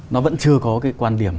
nó vẫn chưa có cái quan điểm